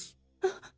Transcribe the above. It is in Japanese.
あっ！？